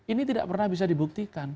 ini tidak pernah bisa dibuktikan